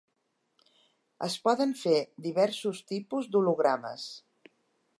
Es poden fer diversos tipus d'hologrames.